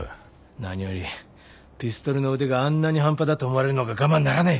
何よりピストルの腕があんなに半端だと思われるのが我慢ならねえ。